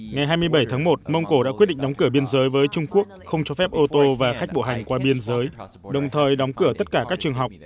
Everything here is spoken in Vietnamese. ngày hai mươi bảy tháng một mông cổ đã quyết định đóng cửa biên giới với trung quốc không cho phép ô tô và khách bộ hành qua biên giới đồng thời đóng cửa tất cả các trường học